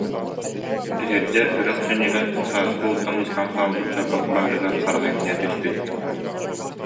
Иһирдьэ үрэх сүнньүнэн, сааскы ууттан быстан хаалбыт чалбах баарыгар хараҕа иҥнэ түспүт